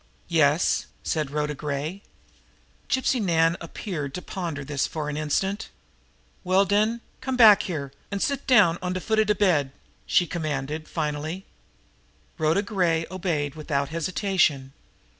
"Yes," said Rhoda Gray. Gypsy Nan appeared to ponder this for an instant. "Well den, come back here an' sit down on de foot of de bed," she commanded finally. Rhoda Gray obeyed without hesitation.